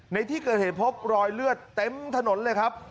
ในที่เกิดเหตุพบรอยเลือดเต็มถนนเลยครับ